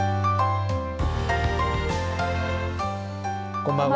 こんばんは。